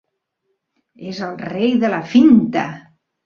És el rei de la finta.